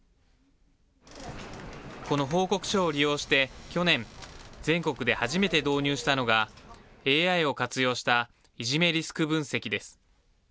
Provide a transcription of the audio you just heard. この報告書を利用して、去年、全国で初めて導入したのが、ＡＩを活用したいじめリスク分析です。